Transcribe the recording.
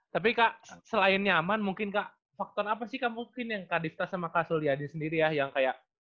tapi kak selain nyaman mungkin kak faktor apa sih kak mungkin yang kadif tas sama kasul yadin sendiri ya yang kayak